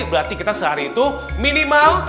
berarti kita sehari itu minimal